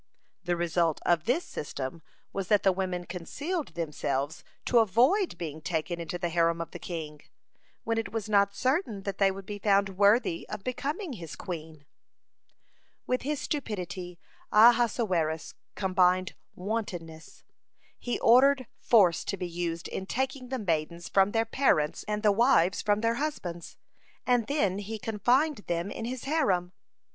The result of this system was that the women concealed themselves to avoid being taken into the harem of the king, when it was not certain that they would be found worthy of becoming his queen. (53) With his stupidity Ahasuerus combined wantonness. He ordered force to be used in taking the maidens from their parents and the wives from their husbands, and then he confined them in his harem.